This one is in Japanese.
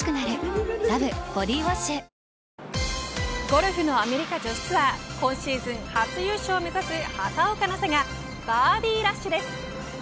ゴルフのアメリカ女子ツアー今シーズン初優勝を目指す畑岡奈紗がバーディーラッシュです。